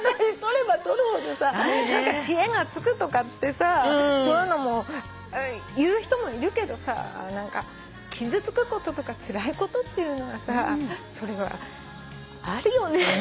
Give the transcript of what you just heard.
年取れば取るほどさ何か知恵がつくとかってさそういうのも言う人もいるけど傷つくこととかつらいことっていうのはさそれはあるよね。